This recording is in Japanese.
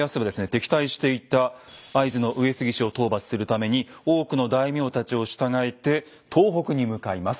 敵対していた会津の上杉氏を討伐するために多くの大名たちを従えて東北に向かいます。